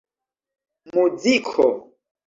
muziko